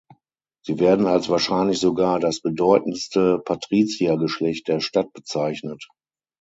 Sie werden als „wahrscheinlich sogar das bedeutendste Patriziergeschlecht der Stadt“ bezeichnet.